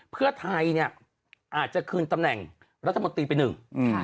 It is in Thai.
เพื่อไทยเนี่ยอาจจะคืนตำแหน่งรัฐมนตรีไปหนึ่ง